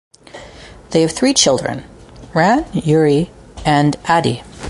They have three children, Ran, Uri and Adi.